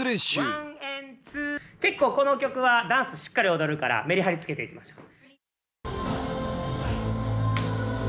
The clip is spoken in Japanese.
結構この曲はダンスしっかり踊るからメリハリつけていきましょう。